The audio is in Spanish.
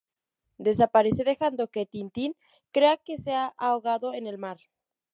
Desaparecerá dejando que Tintín crea que se ha ahogado en el mar.